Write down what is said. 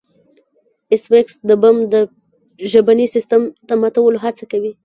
ایس میکس د بم د ژبني سیستم د ماتولو هڅه کوي